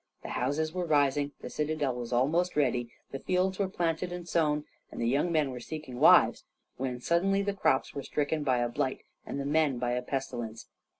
The houses were rising, the citadel was almost ready, the fields were planted and sown, and the young men were seeking wives, when suddenly the crops were stricken by a blight and the men by a pestilence.